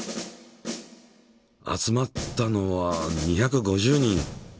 集まったのは２５０人。